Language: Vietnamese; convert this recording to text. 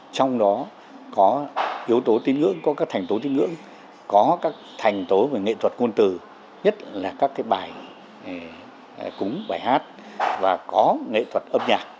trong đó có yếu tố tín ngưỡng có các thành tố tín ngưỡng có các thành tố về nghệ thuật ngôn từ nhất là các cái bài cúng bài hát và có nghệ thuật âm nhạc